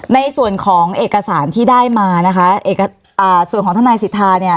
ในส่วนของเอกสารที่ได้มานะคะส่วนของทนายสิทธาเนี่ย